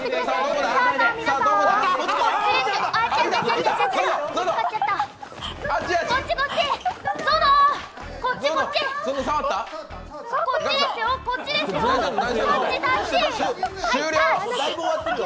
こっち、こっち、ぞの。